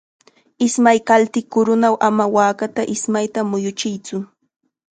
Ismay qaltiq kurunaw ama waaka ismayta muyuchiytsu.